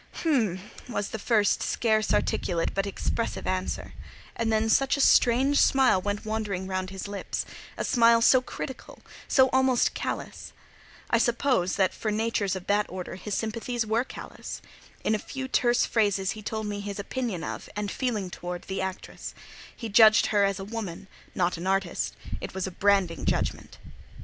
"Hm m m," was the first scarce articulate but expressive answer; and then such a strange smile went wandering round his lips, a smile so critical, so almost callous! I suppose that for natures of that order his sympathies were callous. In a few terse phrases he told me his opinion of, and feeling towards, the actress: he judged her as a woman, not an artist: it was a branding judgment.